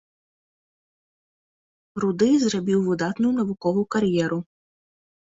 Руды зрабіў выдатную навуковую кар'еру.